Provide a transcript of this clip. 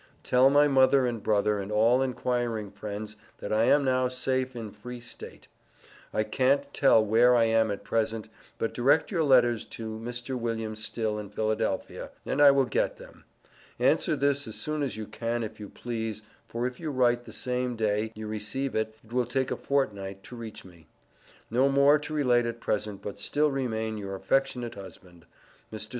Tell my Mother and Brother and all enquiring friends that I am now safe in free state. I cant tell where I am at present but Direct your Letters to Mr. William Still in Philadelphia and I will get them. Answer this as soon as you can if you please for if you write the same day you receive it it will take a fortnight to reach me. No more to relate at present but still remain your affectionate husband. Mr.